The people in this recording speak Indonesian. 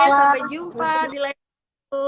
sampai jumpa di live